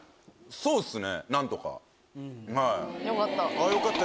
そうっすね何とか。よかった。